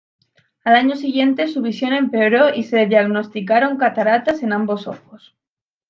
Al año siguiente su visión empeoró y se le diagnosticaron cataratas en ambos ojos.